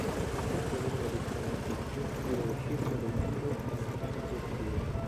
Un certo numero di esperantisti vide lo scisma dell'ido come un fatto positivo.